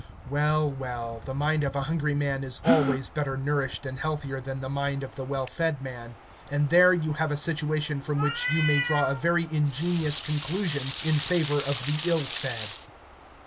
Well, well, the mind of a hungry man is always better nourished and healthier than the mind of the well fed man; and there you have a situation from which you may draw a very ingenious conclusion in favour of the ill fed.